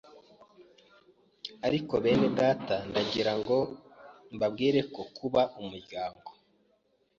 Ariko bene data ndagirango mbabwire ko kuba umuryango